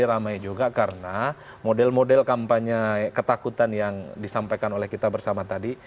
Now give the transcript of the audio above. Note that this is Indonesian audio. jadi ramai juga karena model model kampanye ketakutan yang disampaikan oleh kita bersama tadi